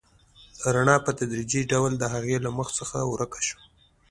رڼا په تدریجي ډول د هغې له مخ څخه ورکه شوه.